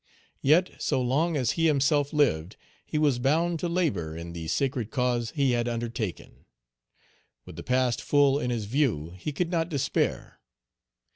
Yet, so long as he himself lived, he was bound to labor in the sacred cause he had undertaken. With the past full in his view, he could not despair.